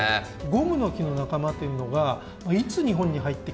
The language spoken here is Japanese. ゴムノキの仲間というのがいつ日本に入ってきたかといいますと。